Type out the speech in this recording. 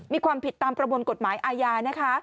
มีความผิดตามประมวลกฎหมายอาญานะคะ